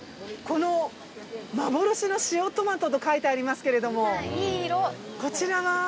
この「幻の塩とまと」と書いてありますけれどもこちらは？